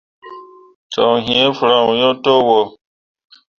Coŋ hii foroŋ yo to wo.